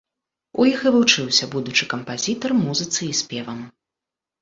У іх і вучыўся будучы кампазітар музыцы і спевам.